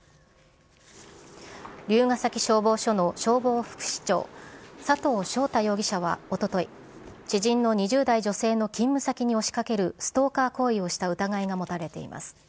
龍ケ崎消防署の消防副士長佐藤祥太容疑者はおととい、知人の２０代女性の勤務先に押しかけるストーカー行為をした疑いが持たれています。